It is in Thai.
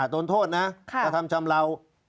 โดนโทษนะกระทำชำเลา